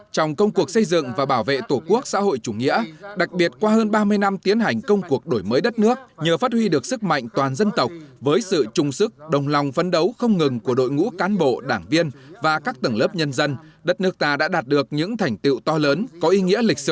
trong công cuộc xây dựng và bảo vệ tổ quốc xã hội chủ nghĩa đặc biệt qua hơn ba mươi năm tiến hành công cuộc đổi mới đất nước nhờ phát huy được sức mạnh toàn dân tộc với sự trung sức đồng lòng phấn đấu không ngừng của đội ngũ cán bộ đảng viên và các tầng lớp nhân dân đất nước ta đã đạt được những thành tiệu to lớn có ý nghĩa lịch sử